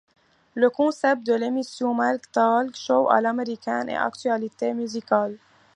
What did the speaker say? Le concept de l'émission mêle talk-show à l'américaine et actualité musicale.